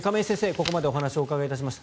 ここまでお話をお伺いしました。